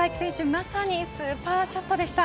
まさにスーパーショットでした。